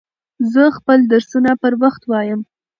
زه خپل درسونه پر وخت وایم.